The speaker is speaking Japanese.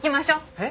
えっ？